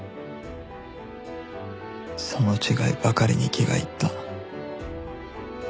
その違いばかりに気がいった